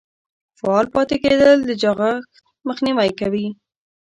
فعال پاتې کیدل د چاغښت مخنیوی کوي.